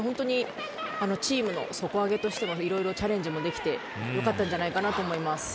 チームの底上げとして、いろいろチャレンジができてよかったんじゃないかと思います。